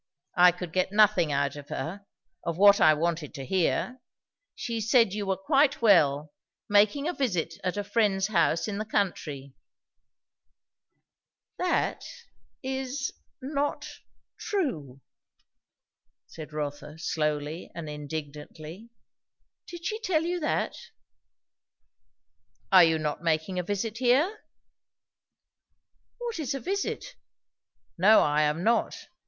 I could get nothing out of her, of what I wanted to hear. She said you were quite well, making a visit at a friend's house in the country." "That is not true!" said Rotha slowly and indignantly. "Did she tell you that?" "Are you not making a visit here?" "What is a 'visit'? No, I am not.